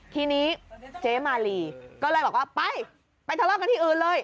ทีนี้เจ๊มาลีก็เลยบอกว่าไปไปทะเลาะกันที่อื่นเลย